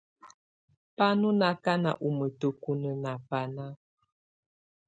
Bà nɔ̀ akana ù mǝtǝkunǝ nà bana.